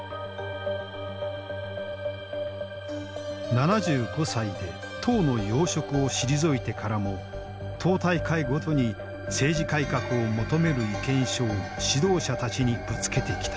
７５歳で党の要職を退いてからも党大会ごとに政治改革を求める意見書を指導者たちにぶつけてきた。